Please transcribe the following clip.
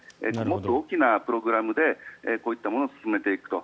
もっと大きなプログラムでこういったものを進めていくと。